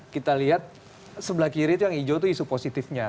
kita lihat sebelah kiri itu yang hijau itu isu positifnya